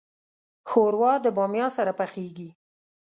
ښوروا د بامیا سره پخیږي.